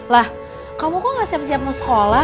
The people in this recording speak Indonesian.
lah kamu kok gak siap siap mau sekolah